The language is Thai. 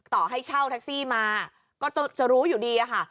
ต่อให้เช่าแท็กซี่มาก็จะรู้อยู่ดีค่ะ